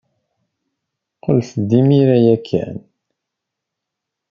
Qqlet-d imir-a ya kan.